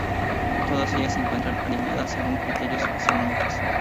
Todas ellas se encuentran alineadas según criterios astronómicos.